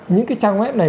những cái trang web này